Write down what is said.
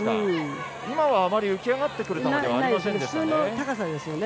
今はあまり浮き上がってくる球ではありませんでしたね。